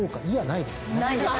ないですね。